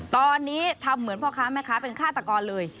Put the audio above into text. ตอนนี้ทำเหมือนพ่อค้าแม่ค้าเป็นฆาตกรเลย